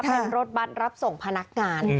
เป็นรถบัตรรับส่งพนักงาน